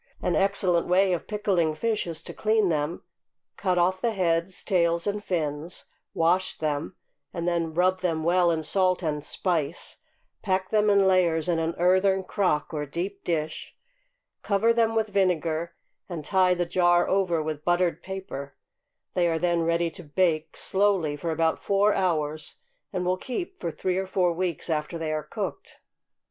An excellent way of pickling fish is to clean them, cut off the heads, tails, and fins, wash them, and then rub them well with salt and spice, pack them in layers in an earthen crock or deep dish, cover them with vinegar, and tie the jar over with buttered paper; they are then ready to bake slowly for about four hours; and will keep for three or four weeks after they are cooked.